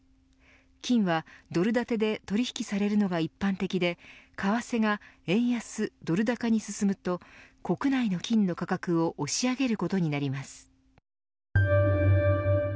金はドル建てで取引されるのが一般的で為替が円安ドル高に進むと国内の金の価格を押し上げることになります。